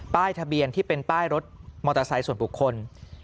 ทะเบียนที่เป็นป้ายรถมอเตอร์ไซค์ส่วนบุคคล